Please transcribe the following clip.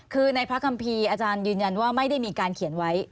คือในพระคัมภีร์อาจารย์ยืนยันว่าไม่ได้มีการเขียนไว้